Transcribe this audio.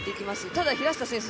ただ、平下選手